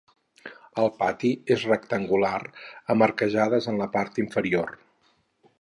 El pati és rectangular amb arquejades en la part inferior.